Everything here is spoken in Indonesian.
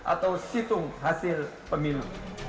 atau situng hasil pemilu